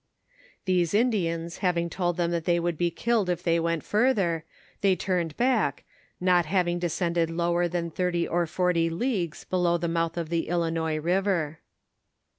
These Indians having told them that they would be killed if they went further ; they turned back, not having descended lower than thirty or forty leagues below the mouth of the Ilinois' river.